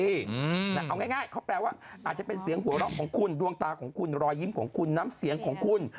เอาง่ายเขาแปลว่าอาจจะเป็นเสียงหัวเราะของคุณดวงตาของคุณรอยยิ้มของคุณน้ำเสียงของคุณ